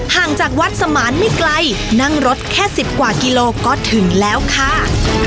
ห่างจากวัดสมานไม่ไกลนั่งรถแค่๑๐กว่ากิโลก็ถึงแล้วค่ะ